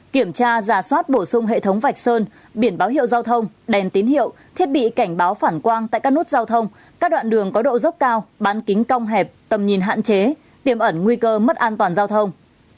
kiểm tra giả soát bổ sung hệ thống vạch sơn biển báo hiệu giao thông đèn tín hiệu thiết bị cảnh báo phản quang tại các nút giao thông các đoạn đường có độ dốc cao bán kính cong hẹp tầm nhìn hạn chế tiềm ẩn nguy cơ mất an toàn giao thông